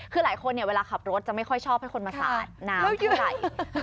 คือหลายคนเวลาขับรถจะไม่ค่อยชอบให้คนมาซาดน้ำทั้งราย